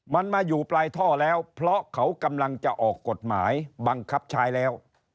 มันมาอยู่ปลายท่อแล้วเพราะเขากำลังจะออกกฎหมายบังคับใช้แล้ว